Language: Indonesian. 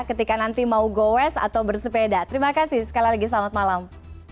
ketika nanti mau goes atau bersepeda terima kasih sekali lagi selamat malam